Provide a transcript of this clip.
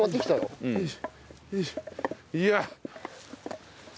いや。